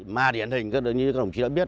mà điển hình như các đồng chí đã biết